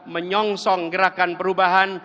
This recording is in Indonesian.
menyongsong gerakan perubahan